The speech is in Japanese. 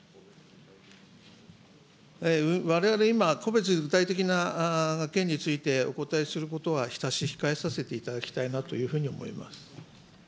われわれ、今、個別具体的な件についてお答えすることは差し控えさせていただきたいなというふうに思います。